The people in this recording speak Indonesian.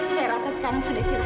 saya rasa sekarang sudah jelas